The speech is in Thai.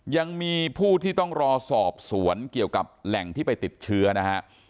ยังมีผู้ที่ต้องรอสอบสวนเกี่ยวกับแหล่งที่ไปติดเชื้อนะฮะ